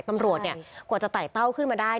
ตำรวจกว่าจะไต่เต้าขึ้นมาได้